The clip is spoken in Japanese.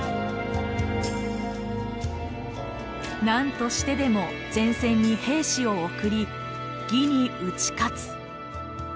何としてでも前線に兵士を送り魏に打ち勝つ。